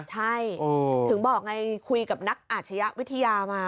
ใช่ถึงบอกไงคุยกับนักอาชญะวิทยามา